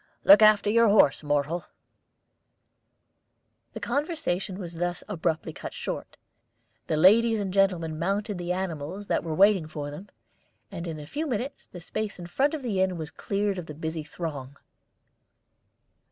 Look after your horse, Mohrle." The conversation was thus abruptly cut short. The ladies and gentlemen mounted the animals that were waiting for them, and in a few minutes the space in front of the inn was cleared of the busy throng.